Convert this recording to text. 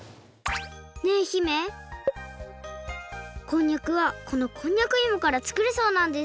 ねえ姫こんにゃくはこのこんにゃくいもからつくるそうなんです。